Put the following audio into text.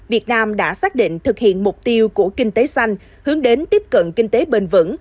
việt nam đã xác định thực hiện mục tiêu của kinh tế xanh hướng đến tiếp cận kinh tế bền vững